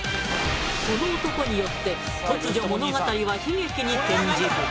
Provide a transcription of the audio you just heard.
この男によって突如物語は悲劇に転じる。